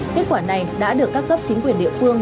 kết quả này đã được các cấp chính quyền địa phương